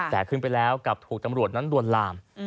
แต่ขึ้นไปแล้วกลับถูกตำรวจนั้นลวนลาม